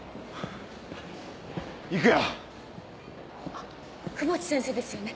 あっ窪地先生ですよね